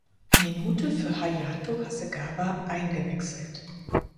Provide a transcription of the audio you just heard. Minute für Hayato Hasegawa eingewechselt.